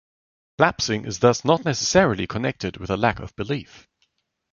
Lapsing is thus not necessarily connected with a lack of belief.